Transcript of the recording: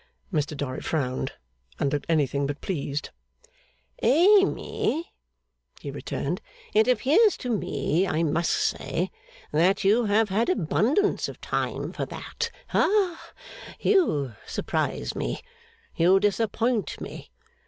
Mr Dorrit frowned, and looked anything but pleased. 'Amy,' he returned, 'it appears to me, I must say, that you have had abundance of time for that. Ha you surprise me. You disappoint me.